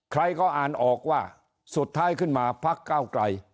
ใครก็อ่านออกว่าสุดท้ายขึ้นมาพักเก้าไกล